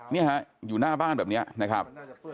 นี่ฮะอยู่หน้าบ้านแบบนี้นะครับ